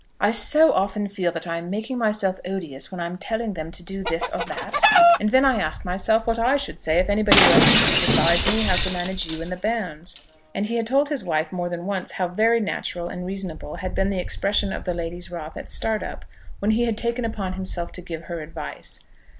"I so often feel that I am making myself odious when I am telling them to do this or that; and then I ask myself what I should say if anybody were to come and advise me how to manage you and the bairns." And he had told his wife more than once how very natural and reasonable had been the expression of the lady's wrath at Startup, when he had taken upon himself to give her advice.